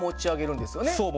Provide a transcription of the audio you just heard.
そう。